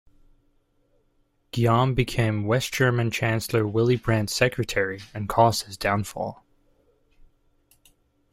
Guillaume became West German chancellor Willy Brandt's secretary and caused his downfall.